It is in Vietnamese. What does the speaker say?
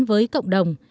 với cộng đồng